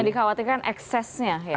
ya dikhawatirkan eksesnya ya